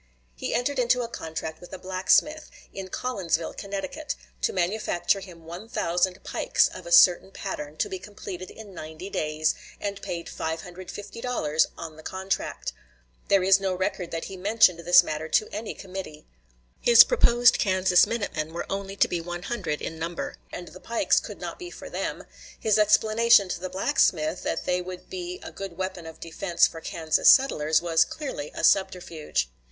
He entered into a contract with a blacksmith, in Collinsville, Connecticut, to manufacture him 1000 pikes of a certain pattern, to be completed in 90 days, and paid $550 on the contract. There is no record that he mentioned this matter to any committee. His proposed Kansas minute men were only to be one hundred in number, and the pikes could not be for them; his explanation to the blacksmith, that they would be a good weapon of defense for Kansas settlers, was clearly a subterfuge.